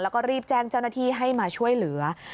แล้วก็รีบแจ้งเจ้าหน้าที่ให้มาช่วยเหลือ